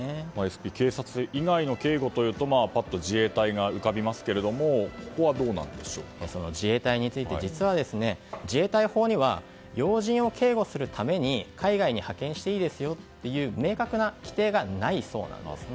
警察以外の警護というと自衛隊が浮かびますが実は自衛隊法には要人を警護するために海外に派遣していいですよという明確な規定がないそうです。